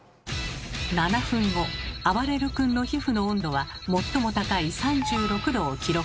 ７分後あばれる君の皮膚の温度は最も高い３６℃を記録。